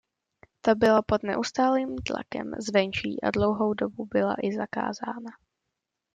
Ta byla pod neustálým tlakem zvenčí a dlouhou dobu byla i zakázána.